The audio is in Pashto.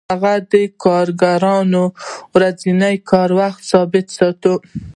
هغه د کارګرانو د ورځني کار وخت ثابت ساتي